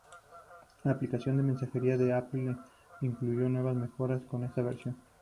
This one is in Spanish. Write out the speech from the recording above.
La aplicación de mensajería de Apple incluyó nuevas mejoras con esta versión.